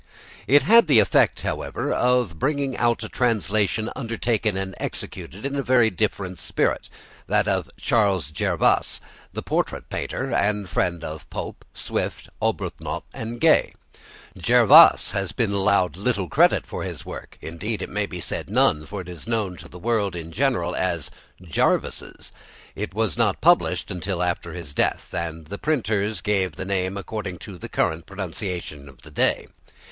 It had the effect, however, of bringing out a translation undertaken and executed in a very different spirit, that of Charles Jervas, the portrait painter, and friend of Pope, Swift, Arbuthnot, and Gay. Jervas has been allowed little credit for his work, indeed it may be said none, for it is known to the world in general as Jarvis's. It was not published until after his death, and the printers gave the name according to the current pronunciation of the day.